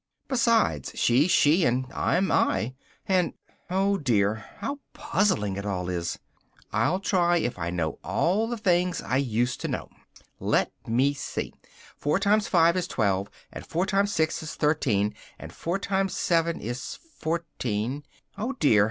Besides, she's she, and I'm I, and oh dear! how puzzling it all is! I'll try if I know all the things I used to know. Let me see: four times five is twelve, and four times six is thirteen, and four times seven is fourteen oh dear!